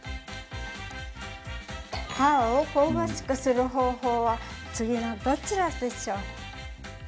皮を香ばしくする方法は次のどちらでしょう？